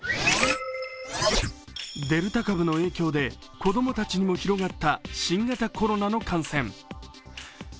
デルタ株の影響で子供たちにも広がった新型コロナの感染。